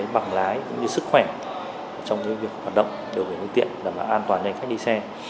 bằng lái cũng như sức khỏe trong những việc hoạt động đều có cái nguyên tiện là an toàn cho hành khách đi xe